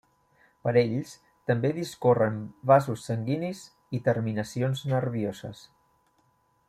Per ells també discorren vasos sanguinis i terminacions nervioses.